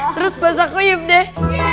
terus bahasaku yuk deh